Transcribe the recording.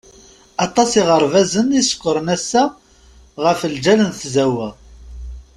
Aṭas iɣerbazen i isekkṛen assa ɣef lǧal n tzawwa.